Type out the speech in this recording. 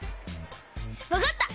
わかった！